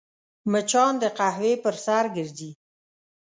مچان د قهوې پر سر ګرځي